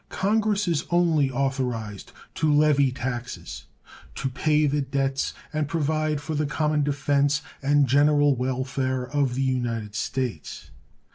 Congress is only authorized to levy taxes "to pay the debts and provide for the common defense and general welfare of the United States".